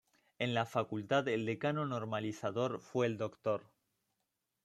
En la Facultad el Decano normalizador fue el Dr.